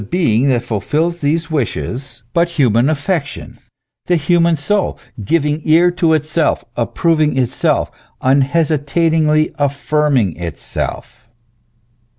being that fulfils these wishes but human affection, the human soul, giving ear to itself, approving itself, unhesitatingly affirm ing itself